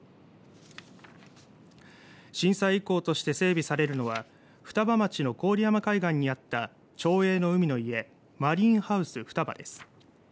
震災遺構として整備されるのは双葉町の郡山海岸にあった町営の海の家マリーンハウスふたばです。